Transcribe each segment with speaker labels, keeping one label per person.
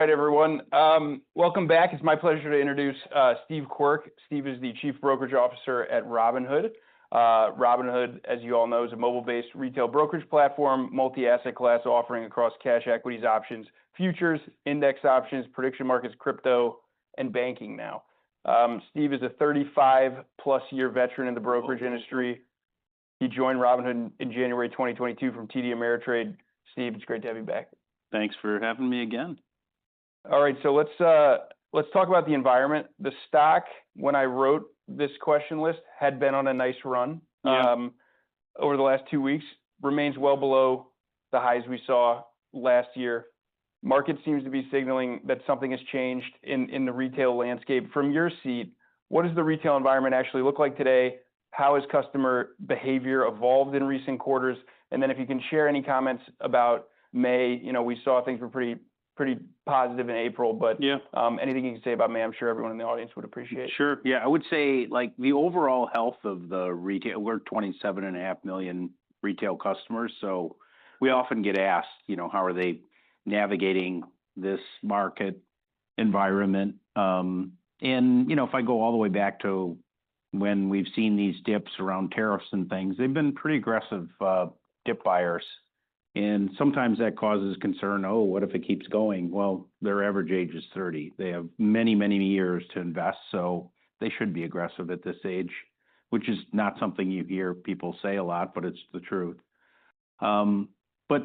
Speaker 1: All right, everyone. Welcome back. It's my pleasure to introduce Steve Quirk. Steve is the Chief Brokerage Officer at Robinhood. Robinhood, as you all know, is a mobile-based retail brokerage platform, multi-asset class offering across cash equities, options, futures, index options, prediction markets, crypto, and banking now. Steve is a 35+ year veteran in the brokerage industry. He joined Robinhood in January 2022 from TD Ameritrade. Steve, it's great to have you back.
Speaker 2: Thanks for having me again.
Speaker 1: All right. Let's talk about the environment. The stock, when I wrote this question list, had been on a nice run-
Speaker 2: Yeah
Speaker 1: over the last two weeks. Remains well below the highs we saw last year. Market seems to be signaling that something has changed in the retail landscape. From your seat, what does the retail environment actually look like today? How has customer behavior evolved in recent quarters? Then if you can share any comments about May, we saw things were pretty positive in April.
Speaker 2: Yeah
Speaker 1: Anything you can say about May, I'm sure everyone in the audience would appreciate.
Speaker 2: Sure. Yeah. I would say the overall health of the retail. We're 27.5 million retail customers, so we often get asked, how are they navigating this market environment? If I go all the way back to when we've seen these dips around tariffs and things, they've been pretty aggressive dip buyers. Sometimes that causes concern, "Oh, what if it keeps going?" Their average age is 30. They have many, many years to invest, so they should be aggressive at this age, which is not something you hear people say a lot, but it's the truth.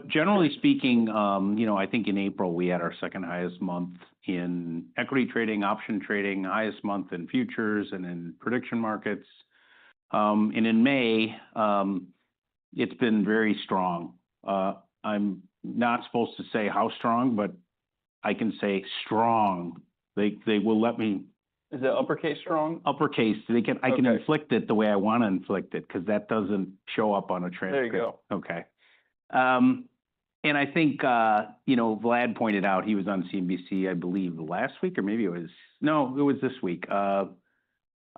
Speaker 2: Generally speaking, I think in April we had our second-highest month in equity trading, option trading, highest month in futures, and in prediction markets. In May, it's been very strong. I'm not supposed to say how strong, but I can say strong.
Speaker 1: Is it uppercase strong?
Speaker 2: Uppercase.
Speaker 1: Okay
Speaker 2: inflict it the way I want to inflict it, because that doesn't show up on a transcript.
Speaker 1: There you go.
Speaker 2: Okay. I think Vlad pointed out, he was on CBC, I believe last week, no, or it was this week.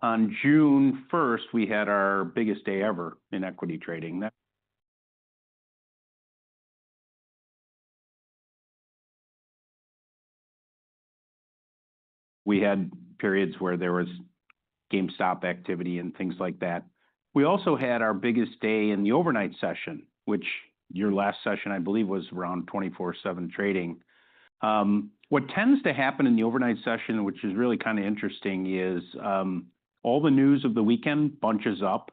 Speaker 2: On June 1st, we had our biggest day ever in equity trading. We had periods where there was GameStop activity and things like that. We also had our biggest day in the overnight session, which your last session, I believe, was around 24/7 trading. What tends to happen in the overnight session, which is really kind of interesting, is all the news of the weekend bunches up,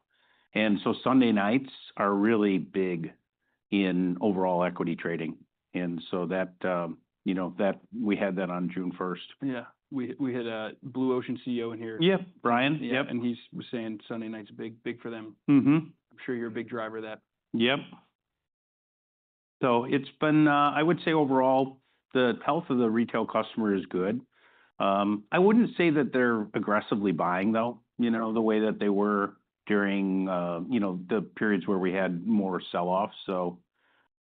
Speaker 2: Sunday nights are really big in overall equity trading. We had that on June 1st.
Speaker 1: Yeah. We had Blue Ocean CEO in here.
Speaker 2: Yep.
Speaker 1: Brian?
Speaker 2: Yep.
Speaker 1: He was saying Sunday night's big for them. I'm sure you're a big driver of that.
Speaker 2: Yep. It's been, I would say, overall, the health of the retail customer is good. I wouldn't say that they're aggressively buying, though, the way that they were during the periods where we had more sell-offs.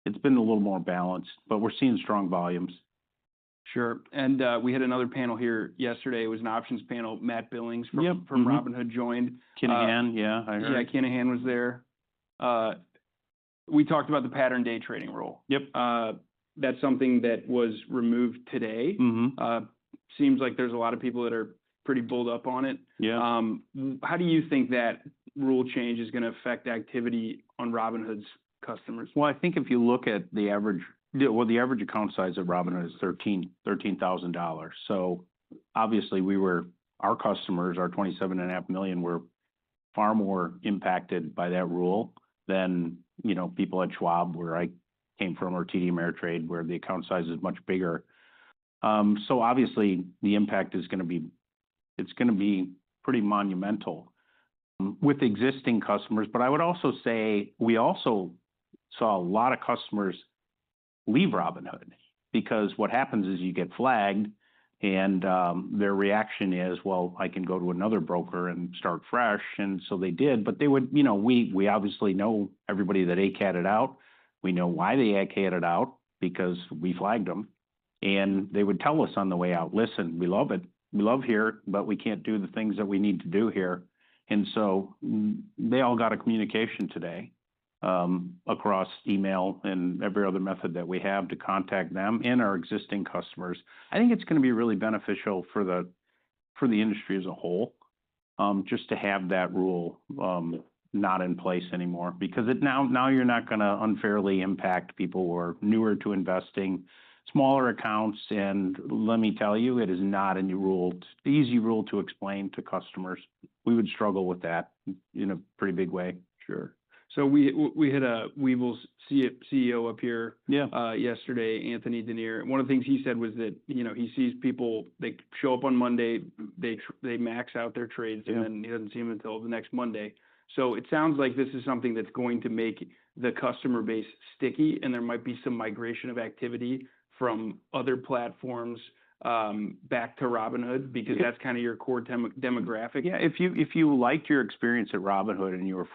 Speaker 2: It's been a little more balanced. We're seeing strong volumes.
Speaker 1: Sure. We had another panel here yesterday, it was an options panel. Matt Billings from.
Speaker 2: Yep
Speaker 1: from Robinhood joined.
Speaker 2: Kinahan, yeah.
Speaker 1: Yeah, Kinahan was there. We talked about the pattern day trader rule.
Speaker 2: Yep.
Speaker 1: That's something that was removed today.
Speaker 2: Mm-hmm.
Speaker 1: Seems like there's a lot of people that are pretty bulled up on it.
Speaker 2: Yeah.
Speaker 1: How do you think that rule change is going to affect activity on Robinhood's customers?
Speaker 2: Well, I think if you look at the average, well, the average account size of Robinhood is $13,000. Obviously our customers, our 27.5 million, were far more impacted by that rule than people at Schwab, where I came from, or TD Ameritrade, where the account size is much bigger. Obviously the impact is going to be pretty monumental with existing customers. I would also say we also saw a lot of customers leave Robinhood, because what happens is you get flagged, and their reaction is, "Well, I can go to another broker and start fresh." They did. We obviously know everybody that ACAT-ed out. We know why they ACAT-ed out, because we flagged them. They would tell us on the way out, "Listen, we love it. We love here, but we can't do the things that we need to do here. They all got a communication today across email and every other method that we have to contact them and our existing customers. I think it's going to be really beneficial for the industry as a whole, just to have that rule not in place anymore. Now you're not going to unfairly impact people who are newer to investing, smaller accounts, and let me tell you, it is not an easy rule to explain to customers. We would struggle with that in a pretty big way.
Speaker 1: Sure. We had a Webull CEO up here.
Speaker 2: Yeah
Speaker 1: Yesterday, Anthony Denier. One of the things he said was that he sees people, they show up on Monday, they max out their trades.
Speaker 2: Yeah
Speaker 1: He doesn't see them until the next Monday. It sounds like this is something that's going to make the customer base sticky, and there might be some migration of activity from other platforms back to Robinhood, because that's kind of your core demographic.
Speaker 2: If you liked your experience at Robinhood and you were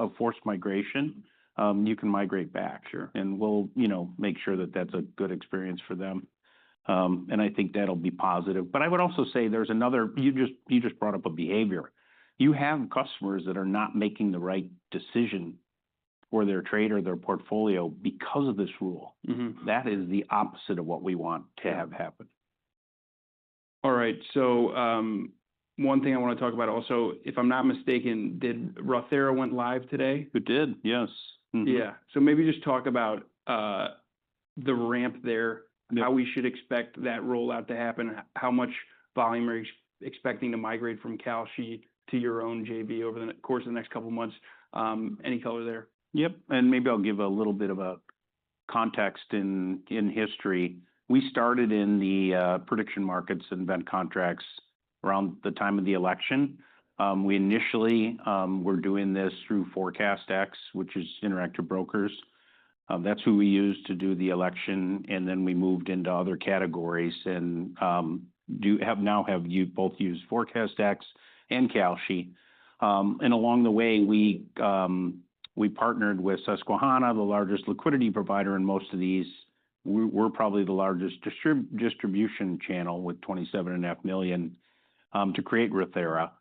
Speaker 2: a forced migration, you can migrate back.
Speaker 1: Sure.
Speaker 2: We'll make sure that that's a good experience for them. I think that'll be positive. I would also say there's another, you just brought up a behavior. You have customers that are not making the right decision or their trade or their portfolio because of this rule. That is the opposite of what we want to have happen.
Speaker 1: All right. One thing I want to talk about also, if I'm not mistaken, did Roth IRA went live today?
Speaker 2: It did, yes. Mm-hmm.
Speaker 1: Yeah. Maybe just talk about the ramp there.
Speaker 2: Yeah
Speaker 1: How we should expect that rollout to happen, how much volume are you expecting to migrate from Kalshi to your own JV over the course of the next couple of months? Any color there?
Speaker 2: Yep. Maybe I'll give a little bit of a context in history. We started in the prediction markets and event contracts around the time of the election. We initially were doing this through ForecastEx, which is Interactive Brokers. That's who we used to do the election, and then we moved into other categories and now have both used ForecastEx and Kalshi. Along the way, we partnered with Susquehanna, the largest liquidity provider in most of these. We're probably the largest distribution channel with 27.5 million to create Roth IRA.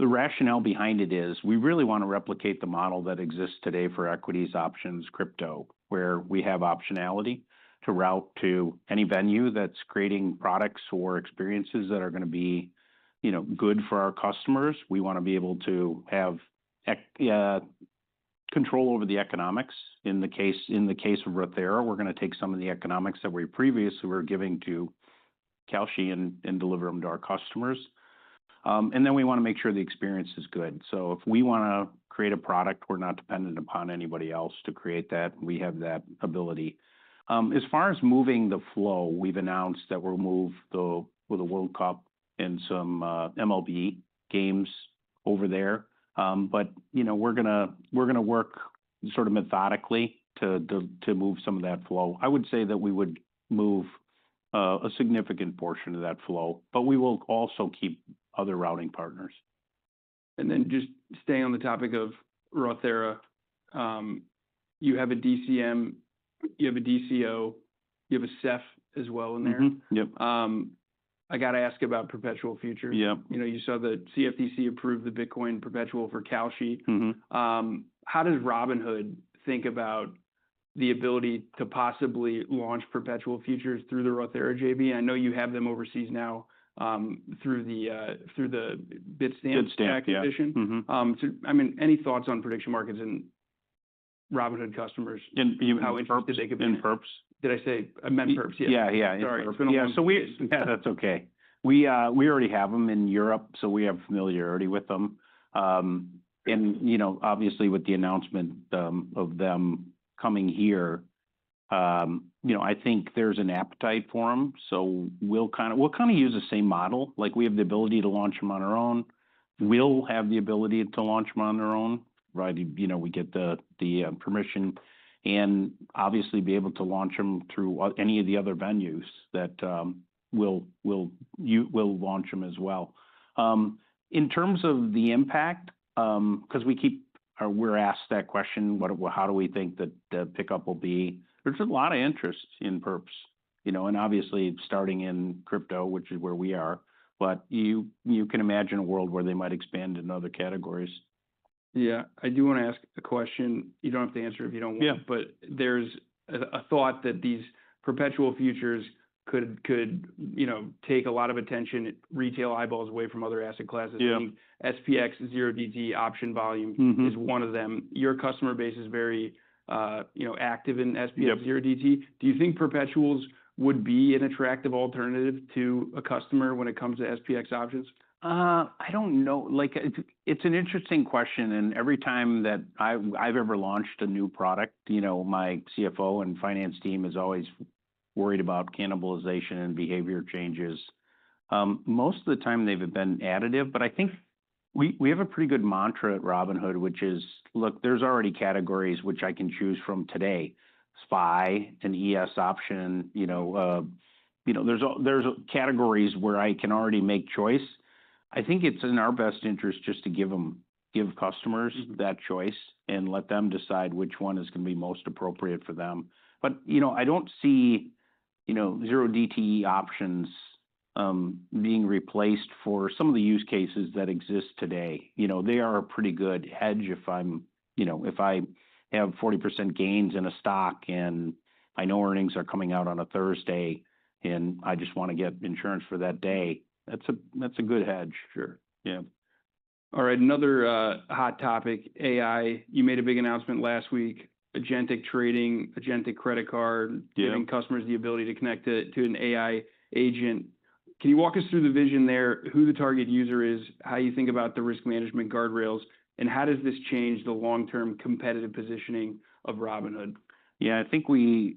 Speaker 2: The rationale behind it is, we really want to replicate the model that exists today for equities, options, crypto, where we have optionality to route to any venue that's creating products or experiences that are going to be good for our customers. We want to be able to have control over the economics. In the case of Roth IRA, we're going to take some of the economics that we previously were giving to Kalshi and deliver them to our customers. We want to make sure the experience is good. We want to create a product, we're not dependent upon anybody else to create that. We have that ability. As far as moving the flow, we've announced that we'll move the World Cup and some MLB games over there. We're going to work sort of methodically to move some of that flow. I would say that we would move a significant portion of that flow, but we will also keep other routing partners.
Speaker 1: Just stay on the topic of Roth IRA. You have a DCM, you have a DCO, you have a SEF as well in there.
Speaker 2: Mm-hmm. Yep.
Speaker 1: I got to ask about perpetual futures.
Speaker 2: Yep.
Speaker 1: You saw the CFTC approved the Bitcoin perpetual for Kalshi. How does Robinhood think about the ability to possibly launch perpetual futures through the Roth IRA JV? I know you have them overseas now through the Bitstamp acquisition.
Speaker 2: Bitstamp, yeah.
Speaker 1: Any thoughts on prediction markets and Robinhood customers.
Speaker 2: You mean perps?
Speaker 1: How interested they could be.
Speaker 2: In perps?
Speaker 1: Did I say I meant perps, yeah?
Speaker 2: Yeah.
Speaker 1: Sorry.
Speaker 2: Yeah. That's okay. We already have them in Europe. We have familiarity with them. Obviously, with the announcement of them coming here, I think there's an appetite for them. We'll kind of use the same model. Like we have the ability to launch them on our own. We'll have the ability to launch them on our own, provided we get the permission. Obviously be able to launch them through any of the other venues that we'll launch them as well. In terms of the impact, because we're asked that question, how do we think the pickup will be? There's a lot of interest in perps. Obviously starting in crypto, which is where we are. You can imagine a world where they might expand into other categories.
Speaker 1: I do want to ask a question. You don't have to answer if you don't want.
Speaker 2: Yeah.
Speaker 1: There's a thought that these perpetual futures could take a lot of attention, retail eyeballs away from other asset classes.
Speaker 2: Yeah.
Speaker 1: I think SPX 0DTE option volume. is one of them. Your customer base is very active in SPX 0DTE.
Speaker 2: Yep.
Speaker 1: Do you think perpetuals would be an attractive alternative to a customer when it comes to SPX options?
Speaker 2: I don't know. It's an interesting question. Every time that I've ever launched a new product, my CFO and finance team is always worried about cannibalization and behavior changes. Most of the time they've been additive. I think we have a pretty good mantra at Robinhood, which is, look, there's already categories which I can choose from today, SPY, an ES option. There's categories where I can already make choice. I think it's in our best interest just to give customers that choice and let them decide which one is going to be most appropriate for them. I don't see 0DTE options being replaced for some of the use cases that exist today. They are a pretty good hedge if I have 40% gains in a stock and I know earnings are coming out on a Thursday and I just want to get insurance for that day. That's a good hedge.
Speaker 1: Sure. Yeah. All right, another hot topic, AI. You made a big announcement last week, Agentic Trading, Agentic credit card-
Speaker 2: Yeah
Speaker 1: giving customers the ability to connect to an AI agent. Can you walk us through the vision there, who the target user is, how you think about the risk management guardrails, and how does this change the long-term competitive positioning of Robinhood?
Speaker 2: Yeah, I think we're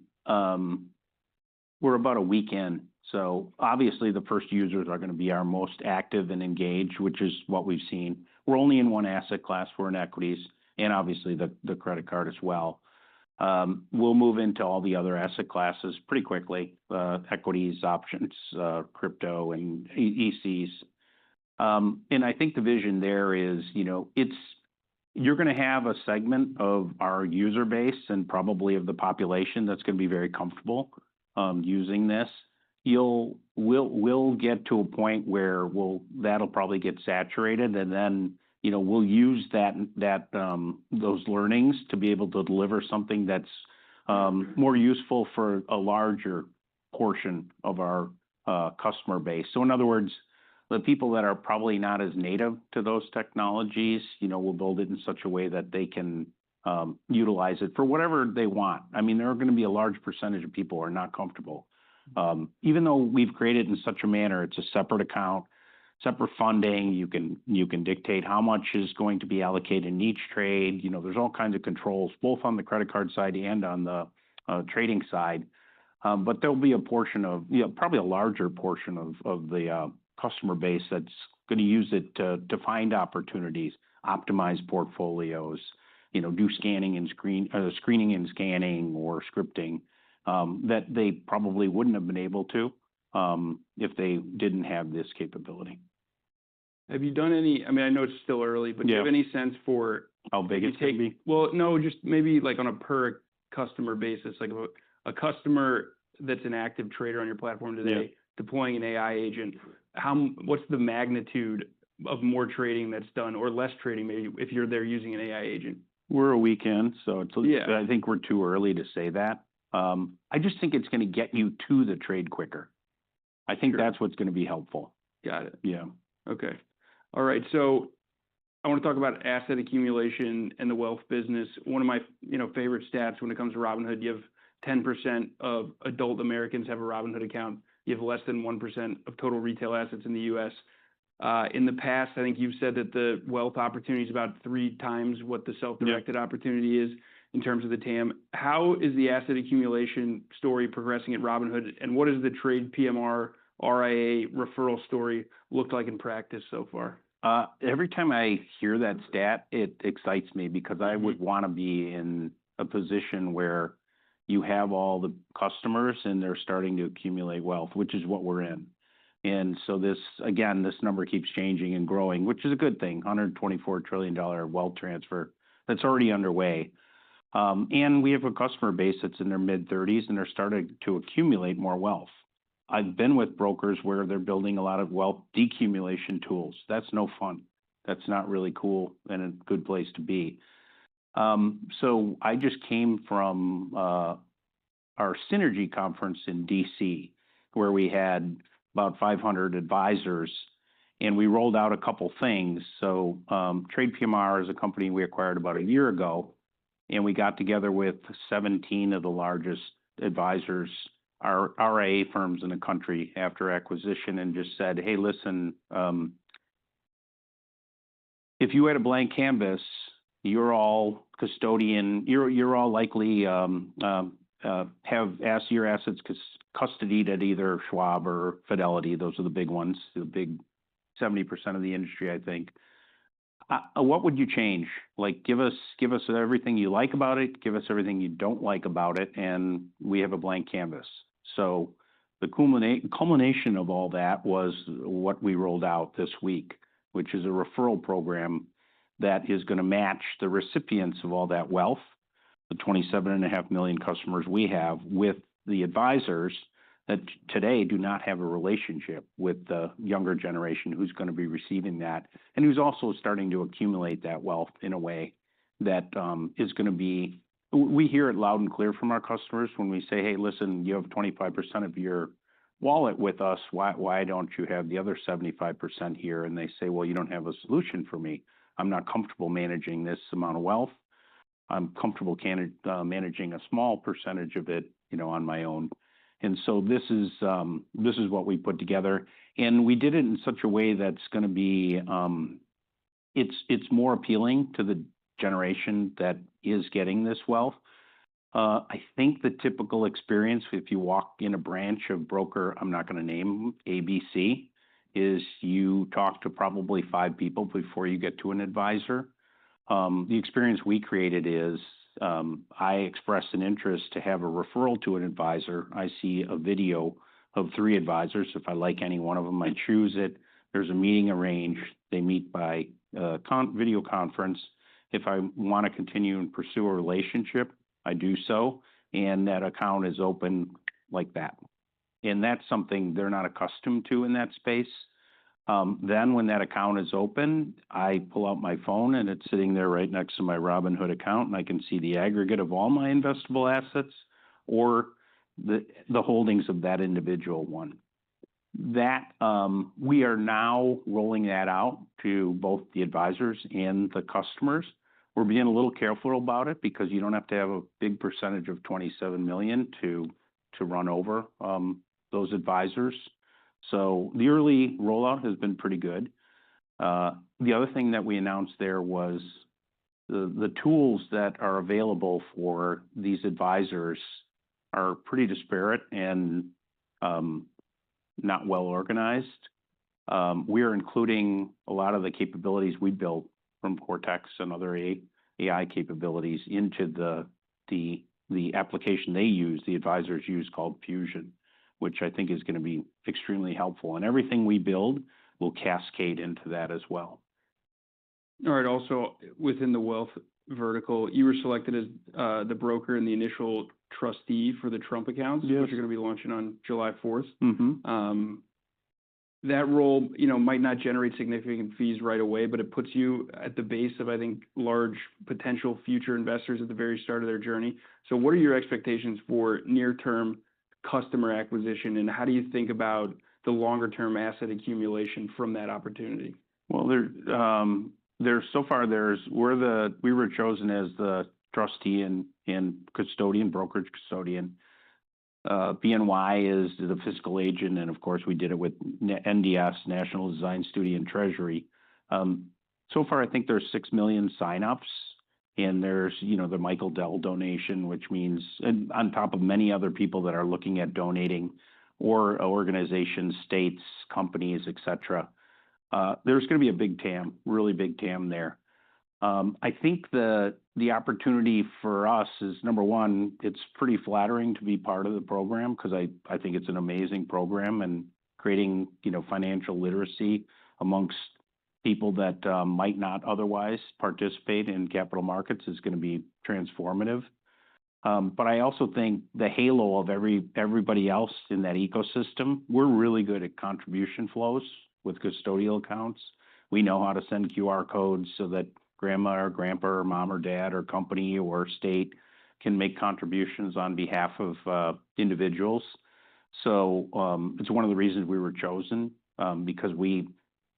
Speaker 2: about a week in. Obviously the first users are going to be our most active and engaged, which is what we've seen. We're only in one asset class. We're in equities, and obviously the credit card as well. We'll move into all the other asset classes pretty quickly, equities, options, crypto, and ECs. I think the vision there is, you're going to have a segment of our user base and probably of the population that's going to be very comfortable using this. We'll get to a point where that'll probably get saturated, and then we'll use those learnings to be able to deliver something that's more useful for a larger portion of our customer base. In other words, the people that are probably not as native to those technologies, we'll build it in such a way that they can utilize it for whatever they want. There are going to be a large percentage of people who are not comfortable. Even though we've created it in such a manner, it's a separate account, separate funding. You can dictate how much is going to be allocated in each trade. There's all kinds of controls, both on the credit card side and on the trading side. There'll be probably a larger portion of the customer base that's going to use it to find opportunities, optimize portfolios, do screening and scanning, or scripting, that they probably wouldn't have been able to if they didn't have this capability.
Speaker 1: Have you done any, I know it's still early.
Speaker 2: Yeah
Speaker 1: but do you have any sense for-
Speaker 2: How big it's going to be?
Speaker 1: Well, no, just maybe on a per customer basis. Like a customer that's an active trader on your platform today.
Speaker 2: Yeah
Speaker 1: Deploying an AI agent, what's the magnitude of more trading that's done, or less trading, maybe, if you're there using an AI agent?
Speaker 2: We're a week in.
Speaker 1: Yeah
Speaker 2: I think we're too early to say that. I just think it's going to get you to the trade quicker. I think that's what's going to be helpful.
Speaker 1: Got it.
Speaker 2: Yeah.
Speaker 1: Okay. All right. I want to talk about asset accumulation in the wealth business. One of my favorite stats when it comes to Robinhood, you have 10% of adult Americans have a Robinhood account. You have less than 1% of total retail assets in the U.S. In the past, I think you've said that the wealth opportunity's about 3x what the self-
Speaker 2: Yeah
Speaker 1: directed opportunity is in terms of the TAM. How is the asset accumulation story progressing at Robinhood, and what does the TradePMR RIA referral story look like in practice so far?
Speaker 2: Every time I hear that stat, it excites me because I would want to be in a position where you have all the customers, and they're starting to accumulate wealth, which is what we're in. This, again, this number keeps changing and growing, which is a good thing. $124 trillion wealth transfer that's already underway. We have a customer base that's in their mid-30s, and they're starting to accumulate more wealth. I've been with brokers where they're building a lot of wealth decumulation tools. That's no fun. That's not really cool, and a good place to be. I just came from our Synergy conference in D.C., where we had about 500 advisors, and we rolled out a couple of things. TradePMR is a company we acquired about one year ago, and we got together with 17 of the largest RIA firms in the country after acquisition and just said, "Hey, listen. If you had a blank canvas, you all likely have your assets custodied at either Schwab or Fidelity." Those are the big ones, the big 70% of the industry, I think. "What would you change? Give us everything you like about it, give us everything you don't like about it, and we have a blank canvas. The culmination of all that was what we rolled out this week, which is a referral program that is going to match the recipients of all that wealth, the 27.5 million customers we have, with the advisors that today do not have a relationship with the younger generation who's going to be receiving that, and who's also starting to accumulate that wealth. We hear it loud and clear from our customers when we say, "Hey, listen, you have 25% of your wallet with us." Why don't you have the other 75% here? They say, "Well, you don't have a solution for me. I'm not comfortable managing this amount of wealth. I'm comfortable managing a small percentage of it on my own. This is what we put together, and we did it in such a way that it's more appealing to the generation that is getting this wealth. I think the typical experience if you walk in a branch of broker, I'm not going to name, ABC, is you talk to probably five people before you get to an advisor. The experience we created is, I express an interest to have a referral to an advisor. I see a video of three advisors. If I like any one of them, I choose it. There's a meeting arranged. They meet by video conference. If I want to continue and pursue a relationship, I do so, and that account is open like that. That's something they're not accustomed to in that space. When that account is open, I pull out my phone, and it's sitting there right next to my Robinhood account, and I can see the aggregate of all my investable assets, or the holdings of that individual one. We are now rolling that out to both the advisors and the customers. We're being a little careful about it because you don't have to have a big percentage of 27 million to run over those advisors. The early rollout has been pretty good. The other thing that we announced there was the tools that are available for these advisors are pretty disparate and not well-organized. We're including a lot of the capabilities we built from Cortex and other AI capabilities into the application they use, the advisors use, called Fusion, which I think is going to be extremely helpful. Everything we build will cascade into that as well.
Speaker 1: All right. Also within the wealth vertical, you were selected as the broker and the initial trustee for the Trump Accounts.
Speaker 2: Yes
Speaker 1: Which you're going to be launching on July 4th.
Speaker 2: Mm-hmm.
Speaker 1: That role might not generate significant fees right away, but it puts you at the base of, I think, large potential future investors at the very start of their journey. What are your expectations for near-term customer acquisition, and how do you think about the longer-term asset accumulation from that opportunity?
Speaker 2: So far we were chosen as the trustee and brokerage custodian. BNY is the fiscal agent, and of course, we did it with NDS, National Design Studio and Treasury. So far, I think there's 6 million sign-ups, and there's the Michael Dell donation, which means on top of many other people that are looking at donating, or organizations, states, companies, et cetera. There's going to be a big TAM, really big TAM there. I think the opportunity for us is, number one, it's pretty flattering to be part of the program because I think it's an amazing program and creating financial literacy amongst people that might not otherwise participate in capital markets is going to be transformative. I also think the halo of everybody else in that ecosystem, we're really good at contribution flows with custodial accounts. We know how to send QR codes so that grandma or grandpa or mom or dad or company or state can make contributions on behalf of individuals. It's one of the reasons we were chosen, because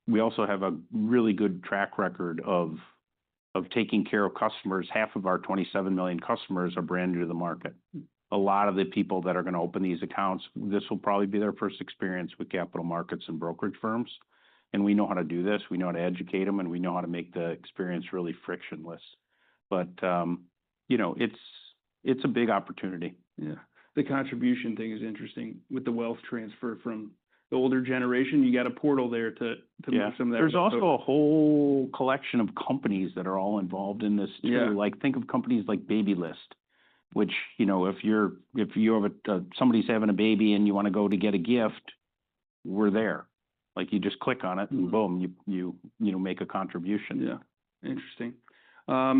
Speaker 2: we also have a really good track record of taking care of customers. Half of our 27 million customers are brand new to the market. A lot of the people that are going to open these accounts, this will probably be their first experience with capital markets and brokerage firms, and we know how to do this. We know how to educate them, and we know how to make the experience really frictionless. It's a big opportunity.
Speaker 1: Yeah. The contribution thing is interesting with the wealth transfer from the older generation. You've got a portal there—
Speaker 2: Yeah
Speaker 1: meet some of that.
Speaker 2: There's also a whole collection of companies that are all involved in this too.
Speaker 1: Yeah.
Speaker 2: Think of companies like Babylist, which if somebody's having a baby and you want to go to get a gift, we're there. You just click on it and boom, you make a contribution.
Speaker 1: Yeah. Interesting. All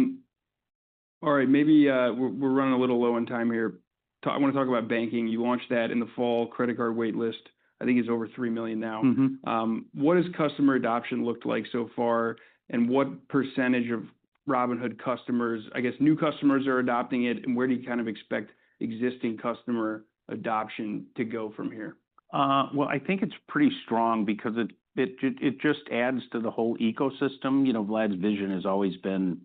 Speaker 1: right. Maybe we're running a little low on time here. I want to talk about banking. You launched that in the fall. Credit card wait list, I think it's over 3 million now. What has customer adoption looked like so far, and what percentage of Robinhood customers, I guess, new customers are adopting it, and where do you kind of expect existing customer adoption to go from here?
Speaker 2: Well, I think it's pretty strong because it just adds to the whole ecosystem. Vlad's vision has always been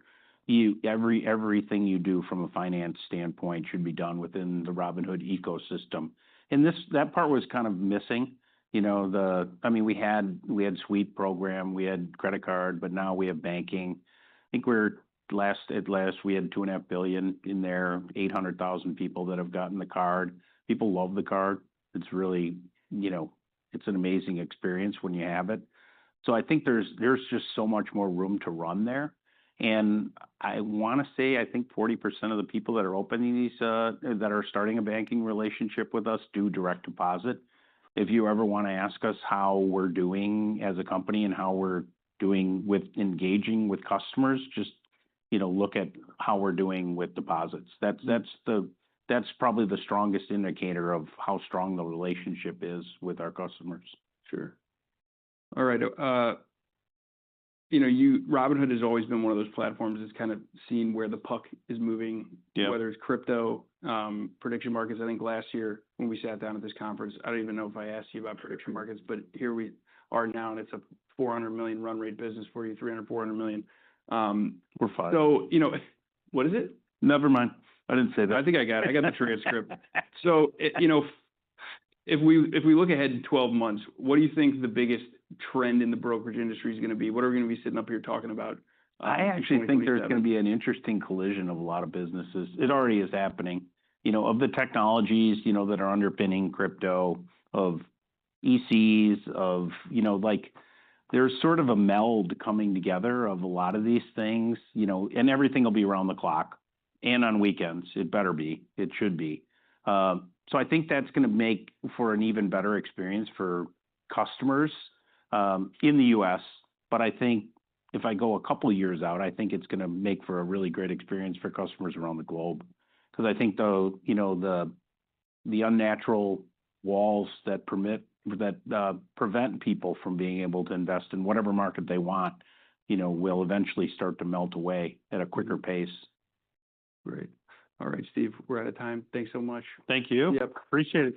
Speaker 2: everything you do from a finance standpoint should be done within the Robinhood ecosystem. That part was kind of missing. We had Cash Sweep Program, we had credit card, but now we have banking. I think at last, we had $2.5 billion in there, 800,000 people that have gotten the card. People love the card. It's an amazing experience when you have it. I think there's just so much more room to run there. I want to say, I think 40% of the people that are opening these, that are starting a banking relationship with us, do direct deposit. If you ever want to ask us how we're doing as a company and how we're doing with engaging with customers, just look at how we're doing with deposits. That's probably the strongest indicator of how strong the relationship is with our customers.
Speaker 1: Sure. All right. Robinhood has always been one of those platforms that's kind of seen where the puck is moving.
Speaker 2: Yeah.
Speaker 1: Whether it's crypto, prediction markets. I think last year when we sat down at this conference, I don't even know if I asked you about prediction markets, but here we are now and it's a $400 million run rate business for you, $300 million-$400 million.
Speaker 2: We're five.
Speaker 1: What is it?
Speaker 2: Never mind. I didn't say that.
Speaker 1: I think I got it. I got the transcript. If we look ahead in 12 months, what do you think the biggest trend in the brokerage industry is going to be? What are we going to be sitting up here talking about in 2027?
Speaker 2: I actually think there's going to be an interesting collision of a lot of businesses. It already is happening. Of the technologies that are underpinning crypto, of ECs, there's sort of a meld coming together of a lot of these things. Everything will be around the clock, and on weekends. It better be. It should be. I think that's going to make for an even better experience for customers in the U.S., but I think if I go a couple of years out, I think it's going to make for a really great experience for customers around the globe. I think the unnatural walls that prevent people from being able to invest in whatever market they want will eventually start to melt away at a quicker pace.
Speaker 1: Great. All right, Steve, we're out of time. Thanks so much.
Speaker 2: Thank you.
Speaker 1: Yep.
Speaker 2: Appreciate it.